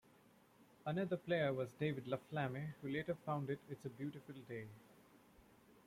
Another player was David LaFlamme who later founded It's a Beautiful Day.